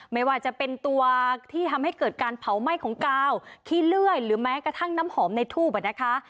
ไม่ว่าจะเป็นตัวที่ทำให้เกิดการเผาไหม้ของกาวขี้เลื่อยหรือแม้กระทั่งน้ำหอมในทูบนะคะ